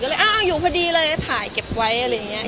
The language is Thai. เห้าอยู่พอดีเลยถ่ายเก็บไว้อะไรว่ะ